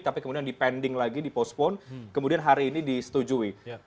tapi kemudian dipending lagi dipostpone kemudian hari ini disetujui